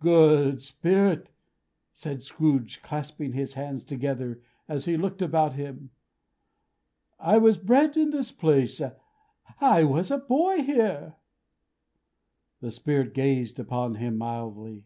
"Good Spirit!" said Scrooge, clasping his hands together, as he looked about him. "I was bred in this place. I was a boy here!" The Spirit gazed upon him mildly.